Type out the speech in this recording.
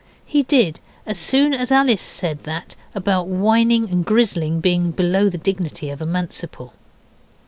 He did as soon as Alice said that about whining and grizzling being below the dignity of a Manciple.